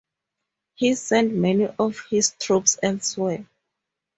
He sent many of his troops elsewhere.